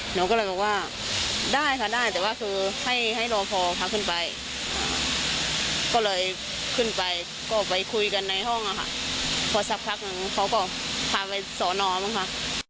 หนูก็เลยบอกว่าได้ค่ะได้แต่ว่าคือให้ให้รอพอพักขึ้นไปก็เลยขึ้นไปก็ไปคุยกันในห้องค่ะ